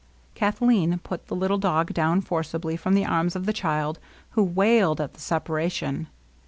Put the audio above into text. Kathleen put the little dog down forcibly from the arms of the child, who wailed at the sepa ration.